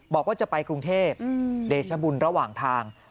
บอกว่าจะไปกรุงเทพเดชบุญระหว่างทาง